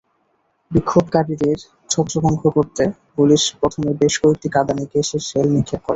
বিক্ষোভকারীদের ছত্রভঙ্গ করতে পুলিশ প্রথমে বেশ কয়েকটি কাঁদানে গ্যাসের শেল নিক্ষেপ করে।